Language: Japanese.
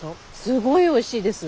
すごいおいしいです。